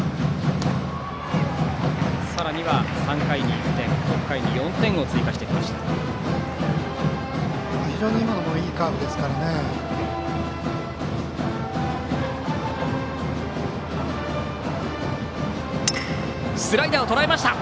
さらには３回に１点６回に４点を追加してきました。